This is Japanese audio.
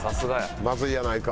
「まずいやないか！」